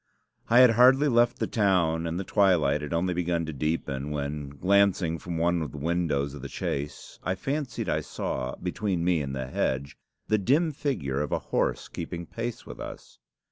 I had hardly left the town, and the twilight had only begun to deepen, when, glancing from one of the windows of the chaise, I fancied I saw, between me and the hedge, the dim figure of a horse keeping pace with us.